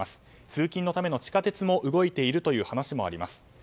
通勤のための地下鉄も動いているという話もあります。